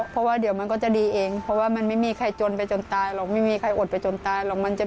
ป้าดาตั้งร้านขายตรงนี้ตลอดหรือเปล่า